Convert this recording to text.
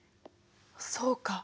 そうか。